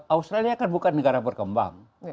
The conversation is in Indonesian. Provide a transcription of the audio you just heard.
australia kan bukan negara berkembang